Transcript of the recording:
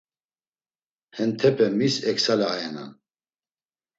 Hentepe mis eksale ayenan?